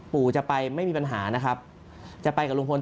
ปู่จะไปไม่มีปัญหานะครับจะไปกับลุงพล